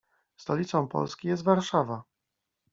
Stolicą Polski jest Warszawa.